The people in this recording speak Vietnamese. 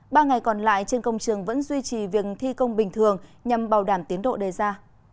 ba ngày còn lại trên công trường vẫn duy trì việc thi công bình thường nhằm bảo đảm tiến độ đề ra